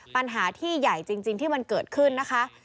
ปัญหาที่ใหญ่จริงที่มันเกิดขึ้นนะคะ